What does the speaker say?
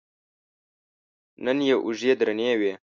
نن یې اوږې درنې دي.